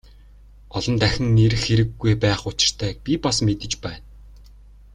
Олон дахин ирэх хэрэггүй байх учиртайг би бас мэдэж байна.